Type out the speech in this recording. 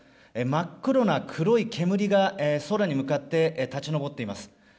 真っ黒な黒い煙が空に向かって立ち上っています。